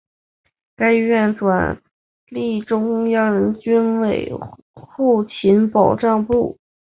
该医院转隶中央军委后勤保障部。